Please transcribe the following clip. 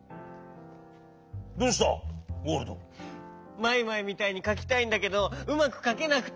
マイマイみたいにかきたいんだけどうまくかけなくて。